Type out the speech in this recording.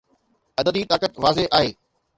عددي طاقت واضح آهي.